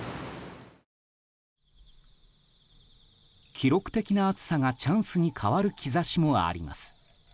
記録的な暑さがチャンスに変わる兆しもあります。